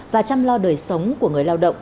và chăm lo đời sống của người lao động